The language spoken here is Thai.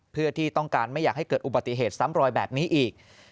เพื่อที่ต้องการไม่อยากให้เกิดอุบัติเหตุซ้ำรอยแบบนี้อีก